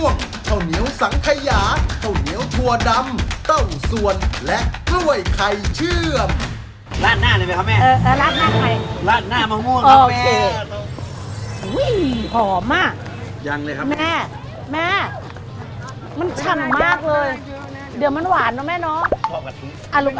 ลวกรอแป๊บนึงหนูจะเอาเส้นอะไรลูก